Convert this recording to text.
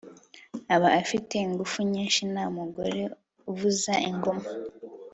aba afite ingufu nyinshi, nta mugore uvuza ingoma